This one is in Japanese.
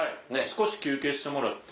少し休憩してもらって。